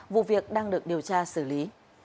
vụ việc đang được điều tra xử lý